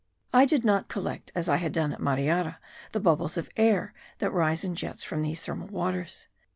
I did not collect, as I had done at Mariara, the bubbles of air that rise in jets from these thermal waters.